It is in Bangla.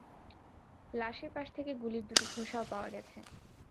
লাশের পাশ থেকে গুলির দুটি খোসাও পাওয়া গেছে।